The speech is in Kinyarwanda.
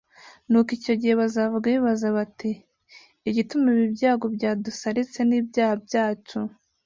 nuko icyo gihe bazavuge bibaza bati ’igituma ibi byago byadusaritse n’ibyaha byacu,